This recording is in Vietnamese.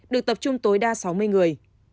được tập trung tối đa sáu mươi người